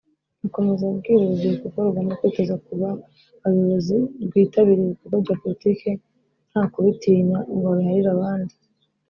Akomeza bwira urubyiruko ko rugomba kwitoza kuba abayobozi rwitabira ibikorwa bya Politiki nta kubitinya ngo babiharire abandi